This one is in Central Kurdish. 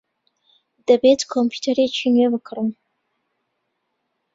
دەبێت کۆمپیوتەرێکی نوێ بکڕم.